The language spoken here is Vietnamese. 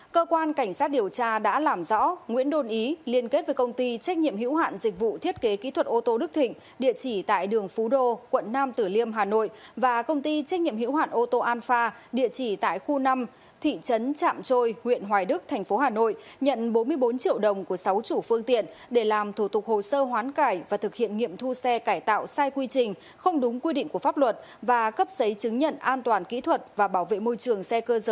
cơ quan cảnh sát điều tra đã làm rõ nguyễn đôn ý liên kết với công ty trách nhiệm hữu hạn dịch vụ thiết kế kỹ thuật ô tô đức thịnh địa chỉ tại đường phú đô quận năm tử liêm hà nội và công ty trách nhiệm hữu hạn ô tô an pha địa chỉ tại khu năm thị trấn trạm trôi huyện hoài đức thành phố hà nội nhận bốn mươi bốn triệu đồng của sáu chủ phương tiện để làm thủ tục hồ sơ hoán cải và thực hiện nghiệm thu xe cải tạo sai quy trình không đúng quy định của pháp luật và cấp giấy chứng nhận an toàn kỹ thuật và bảo vệ môi trường xe c